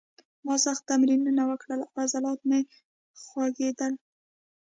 ما سخت تمرینونه وکړل او عضلات مې خوږېدل